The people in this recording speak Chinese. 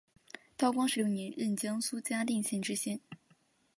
道光十六年任江苏嘉定县知县。